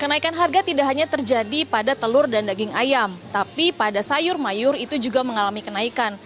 kenaikan harga tidak hanya terjadi pada telur dan daging ayam tapi pada sayur mayur itu juga mengalami kenaikan